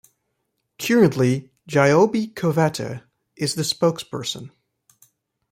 Currently, Giobbe Covatta is the spokesperson.